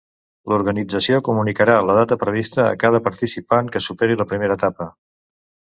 L'organització comunicarà la data prevista a cada participant que superi la primera etapa.